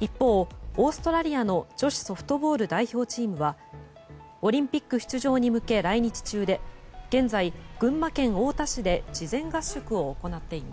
一方、オーストラリアの女子ソフトボール代表チームはオリンピック出場に向け来日中で現在、群馬県太田市で事前合宿を行っています。